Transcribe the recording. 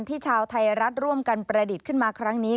ชาวไทยรัฐร่วมกันประดิษฐ์ขึ้นมาครั้งนี้